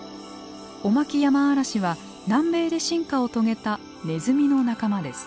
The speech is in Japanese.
オマキヤマアラシは南米で進化を遂げたネズミの仲間です。